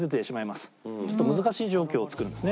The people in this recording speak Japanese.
ちょっと難しい状況を作るんですね。